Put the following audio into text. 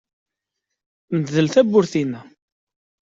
Mdel tawwurt-inna.